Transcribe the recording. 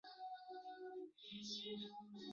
冯家升在史学三个领域取得重要学术成就。